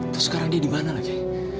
terus sekarang dia dimana lagi